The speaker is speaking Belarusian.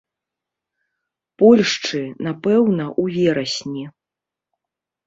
Польшчы, напэўна, у верасні.